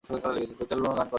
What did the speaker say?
দ্বৈত অ্যালবামে গান করেন।